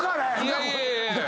いやいやいやいや。